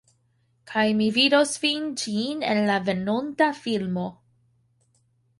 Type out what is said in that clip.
Kaj mi vidos vin ĉijn en la venonta filmo